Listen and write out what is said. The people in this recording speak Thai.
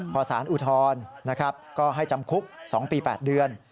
พอสารอุทธรณ์นะครับก็ให้จำคุก๒ปี๘เดือน